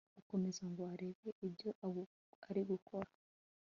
gukomeza ngo arebe ibyo arigukora